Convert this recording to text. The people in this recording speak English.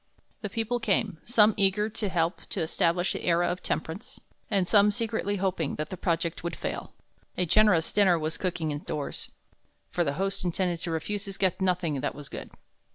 The people came, some eager to help to establish the era of temperance, and some secretly hoping that the project would fail. A generous dinner was cooking indoors; for the host intended to refuse his guests nothing that was good.